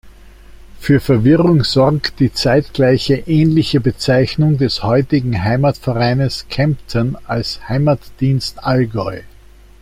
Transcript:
Für Verwirrung sorgt die zeitgleiche ähnliche Bezeichnung des heutigen Heimatvereines Kempten als "Heimatdienst Allgäu".